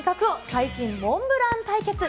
最新モンブラン対決。